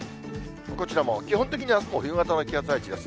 こちらも基本的にあすも冬型の気圧配置です。